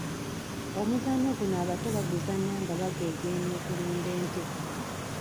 Omuzannyo guno abato baguzannya nga bageegeenya okulunda ente.